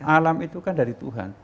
alam itu kan dari tuhan